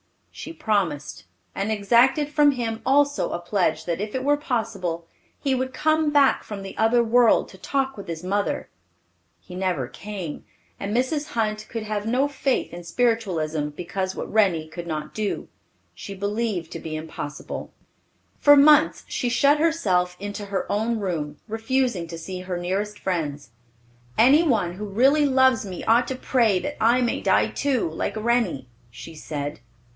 She promised, and exacted from him also a pledge that if it were possible, he would come back from the other world to talk with his mother. He never came, and Mrs. Hunt could have no faith in spiritualism, because what Rennie could not do, she believed to be impossible. For months she shut herself into her own room, refusing to see her nearest friends. "Any one who really loves me ought to pray that I may die, too, like Rennie," she said.